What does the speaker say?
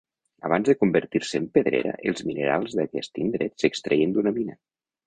Abans de convertir-se en pedrera, els minerals d'aquest indret s'extreien d'una mina.